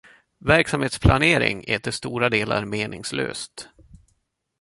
Verksamhetsplanering är till stora delar meningslös